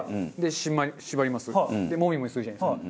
でもみもみするじゃないですか。